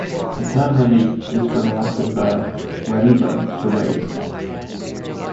The term "relief" is from the Latin verb "relevo", to raise.